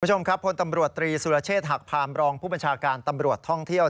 คุณผู้ชมครับพลตำรวจตรีสุรเชษฐหักพามรองผู้บัญชาการตำรวจท่องเที่ยว